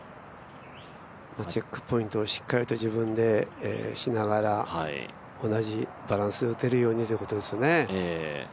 チェックポイントをしっかりと自分でしながら同じバランスで打てるようにということですね。